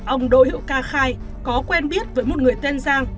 ông đỗ hữu ca khai có quen biết với một người tên giang